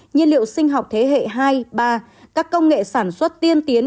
nhiên liệu sinh học thế hệ hai ba các công nghệ sản xuất tiên tiến